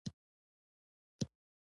په کومه تالې خوري، په هماغه کې غول کوي.